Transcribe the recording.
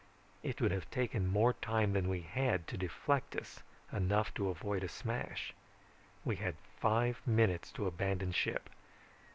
It would have taken more time than we had to deflect us enough to avoid a smash. We had five minutes to abandon ship.